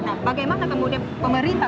nah bagaimana kemudian pemerintah